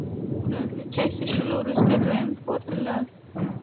مراد له چای څښلو وروسته دویم پوړ ته لاړ.